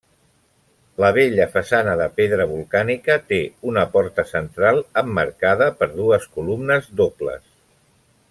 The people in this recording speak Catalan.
La bella façana de pedra volcànica té una porta central emmarcada per dues columnes dobles.